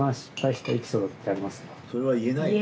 それは言えないよね。